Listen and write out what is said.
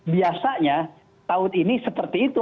biasanya tahun ini seperti itu